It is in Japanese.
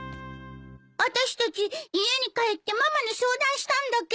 あたしたち家に帰ってママに相談したんだけど。